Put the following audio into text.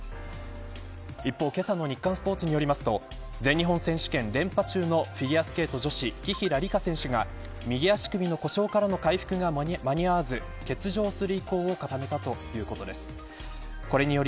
一方、けさの日刊スポーツによりますと全日本選手権連覇中のフィギュアスケート女子紀平梨花選手が右足首の故障からの回復が間に合わず欠場する意向を固めたということです。